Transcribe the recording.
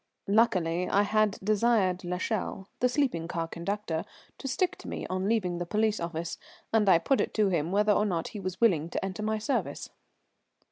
Luckily I had desired l'Echelle, the sleeping car conductor, to stick to me on leaving the police office, and I put it to him whether or not he was willing to enter my service.